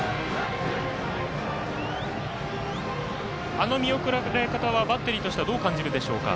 あの見送られ方はバッテリーとしてはどう感じるでしょうか。